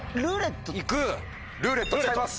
「ルーレット」使います！